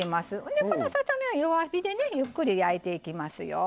でこのささ身は弱火でねゆっくり焼いていきますよ。